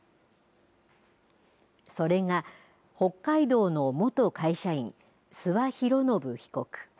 それが北海道の元会社員諏訪博宣被告。